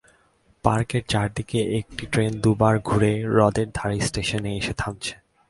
পার্কের চারদিকে একটি ট্রেন দুবার ঘুরে হ্রদের ধারে স্টেশনে এসে থামছে।